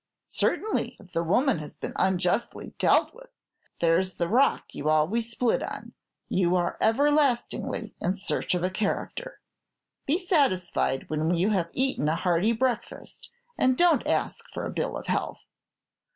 "Certainly, if the woman has been unjustly dealt with " "There's the rock you always split on: you are everlastingly in search of a character. Be satisfied when you have eaten a hearty breakfast, and don't ask for a bill of health.